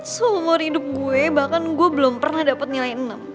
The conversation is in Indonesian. seumur hidup gue bahkan gue belum pernah dapat nilai enam